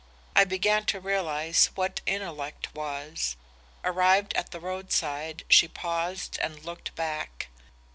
I began to realize what intellect was. Arrived at the roadside, she paused and looked back.